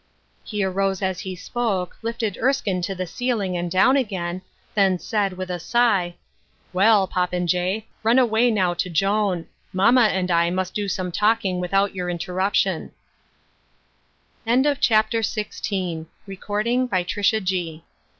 He arose as he spoke, lifted Erskine to the ceil ing and down again, then said, with a sigh, " Well, popinjay, run away now to Joan ; mamma and I must do some talking without your interruption." A